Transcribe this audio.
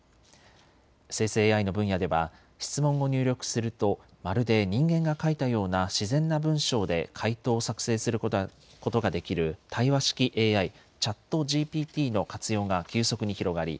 生成ＡＩの分野では質問を入力するとまるで人間が書いたような自然な文章で回答を作成することができる対話式ＡＩ、ＣｈａｔＧＰＴの活用が急速に広がり